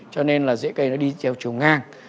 cho nên là dễ cây nó đi theo chiều ngang